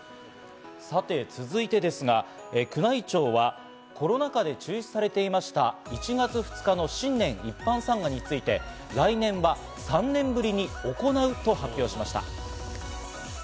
続いてですが、宮内庁はコロナ禍で中止されていた１月２日の新年一般参賀について、来年は３年ぶりに行うと発表しました。